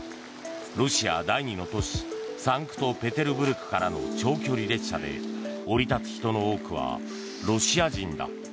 ロシア第２の都市サンクトペテルブルクからの長距離列車で降り立つ人の多くはロシア人だ。